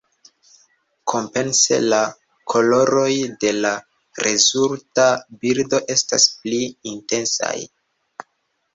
Kompense la koloroj de la rezulta bildo estas pli intensaj.